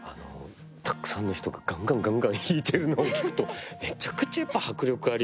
たくさんの人がガンガンガンガン弾いてるのを聴くとめちゃくちゃやっぱり迫力ありますし。